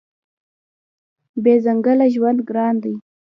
بې ځنګله ژوند ګران دی.